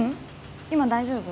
今大丈夫？